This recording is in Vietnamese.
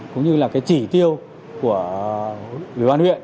cũng như là cái chỉ tiêu của ủy ban huyện